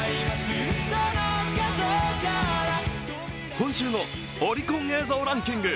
今週のオリコン映像ランキング。